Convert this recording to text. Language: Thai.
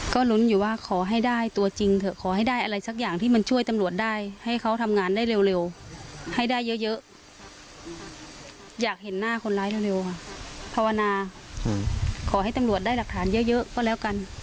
ก็ฟังเสียงคุณแม่ค่ะ